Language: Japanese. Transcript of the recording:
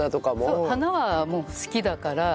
そう花は好きだから。